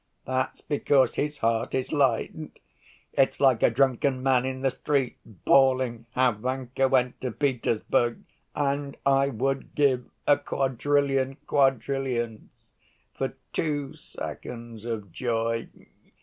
That's because his heart is light! It's like a drunken man in the street bawling how 'Vanka went to Petersburg,' and I would give a quadrillion quadrillions for two seconds of joy.